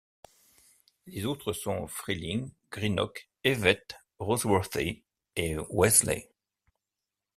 Les autres sont: Freeling, Greenock, Hewett, Roseworthy et Wasleys.